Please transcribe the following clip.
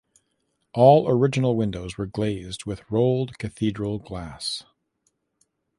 All original windows were glazed with rolled Cathedral glass.